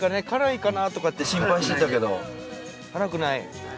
辛いかなとかって心配してたけど辛くない？